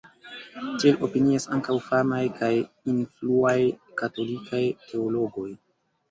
Tiel opinias ankaŭ famaj kaj influaj katolikaj teologoj.